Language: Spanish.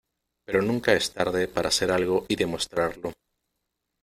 pero nunca es tarde para hacer algo y demostrarlo.